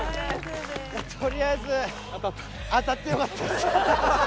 とりあえず当たってよかったです。